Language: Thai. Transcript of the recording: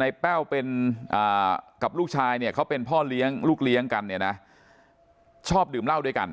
ในแป้วกับลูกชายเขาเป็นพ่อลูกเลี้ยงกันชอบดื่มเหล้าด้วยกัน